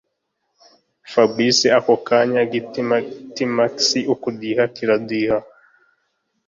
fabric ako kanya igitima gitima si ukudira kiradiha